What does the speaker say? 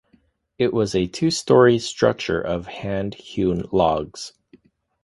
It was a two-story structure of hand-hewn logs.